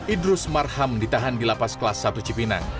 idrus marham ditahan di lapas kelas satu cipinang